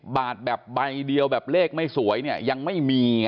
๘๐บาทแบบใบเดียวแบบเลขไม่สวยยังไม่มี